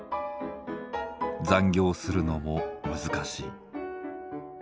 残業するのも難しい。